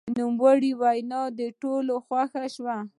د نوموړي وینا د ټولو خوښه شوه.